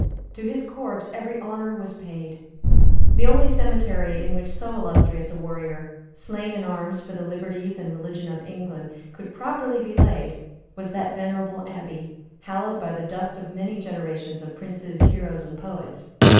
To his corpse every honour was paid. The only cemetery in which so illustrious a warrior, slain in arms for the liberties and religion of England, could properly be laid was that venerable Abbey, hallowed by the dust of many generations of princes, heroes and poets.